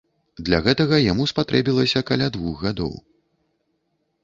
Для гэтага яму спатрэбілася каля двух гадоў.